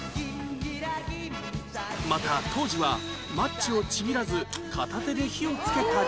また当時はマッチをちぎらず片手で火をつけたり